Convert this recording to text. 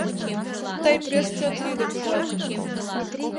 — Тый пеш чот лӱдыч дыр?